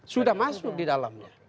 sudah masuk di dalamnya